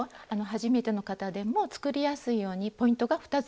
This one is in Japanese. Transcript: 初めての方でも作りやすいようにポイントが２つあります。